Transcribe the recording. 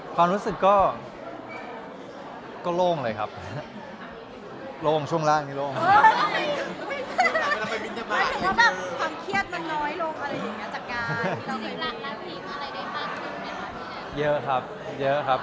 ความรู้สึกก็โล่งเลยครับ